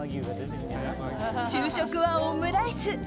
昼食はオムライス。